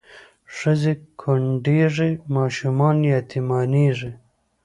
ښځې کونډېږي ماشومان یتیمانېږي